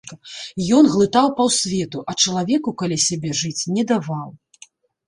Ён глытаў паўсвету, а чалавеку каля сябе жыць не даваў.